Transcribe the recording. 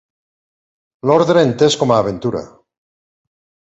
L'ordre entès com a aventura.